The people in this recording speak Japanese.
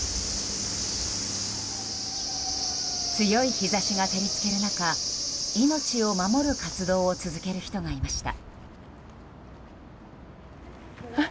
強い日差しが照り付ける中命を守る活動を続ける人がいました。